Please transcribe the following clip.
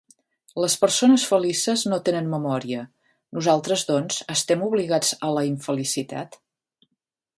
Les persones felices no tenen memòria; nosaltres, doncs, estem obligats a la infelicitat...?